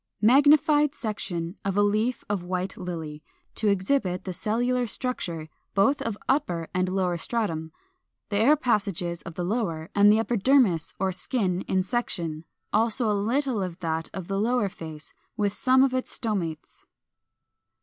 Magnified section of a leaf of White Lily, to exhibit the cellular structure, both of upper and lower stratum, the air passages of the lower, and the epidermis or skin, in section, also a little of that of the lower face, with some of its stomates.